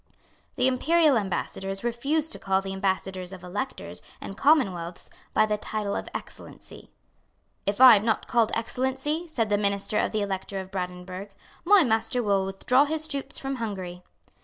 The Imperial Ambassadors refused to call the Ambassadors of Electors and Commonwealths by the title of Excellency. "If I am not called Excellency," said the Minister of the Elector of Brandenburg, "my master will withdraw his troops from Hungary."